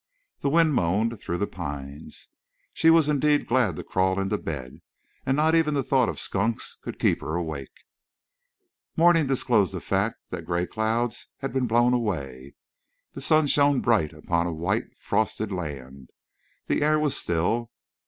The wind moaned through the pines. She was indeed glad to crawl into bed, and not even the thought of skunks could keep her awake. Morning disclosed the fact that gray clouds had been blown away. The sun shone bright upon a white frosted land. The air was still.